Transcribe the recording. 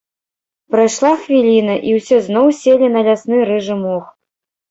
Прайшла хвіліна, і ўсе зноў селі на лясны рыжы мох.